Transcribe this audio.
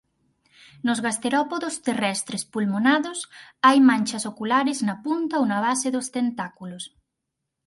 Nos gasterópodos terrestres pulmonados hai manchas oculares na punta ou na base dos tentáculos.